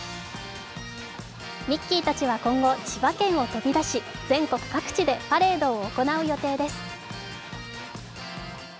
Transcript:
ミッキーたちは今後千葉県を飛び出し全国各地でパレードを行う予定です。